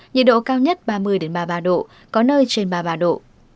nhiệt độ cao nhất ba mươi ba mươi ba độ có nơi trên ba mươi ba độ